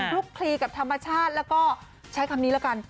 ลุกคลีกับธรรมชาติแล้วก็ใช้คำนี้แล้วกัน